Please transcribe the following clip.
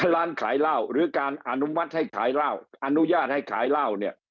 ร้านขายเหล้าหรือการอนุมัติให้ขายเหล้าอนุญาตให้ขายเหล้าเนี่ย